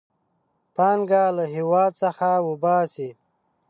پانګه له هېواد څخه وباسي.